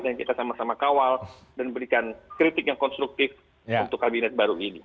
dan kita sama sama kawal dan berikan kritik yang konstruktif untuk kabinet baru ini